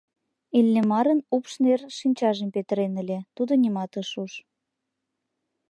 Иллимарын упш нер шинчажым петырен ыле, тудо нимат ыш уж.